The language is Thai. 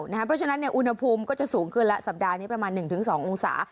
เพราะฉะนั้นอุณหภูมิก็จะสูงขึ้นแล้วสัปดาห์นี้ประมาณ๑๒องศา